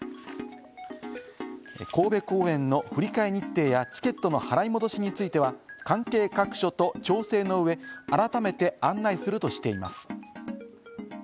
神戸公演の振り替え日程やチケットの払い戻しについては、関係各所と調整の上、改めて案内するとしています。